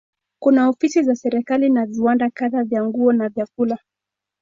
Kuna ofisi za serikali na viwanda kadhaa vya nguo na vyakula.